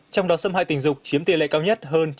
trong đó xâm hại tình dục chỉ là những vụ xâm hại tình dục